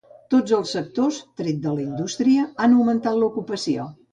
Tots els sectors, tret de la indústria, han augmentat l'ocupació.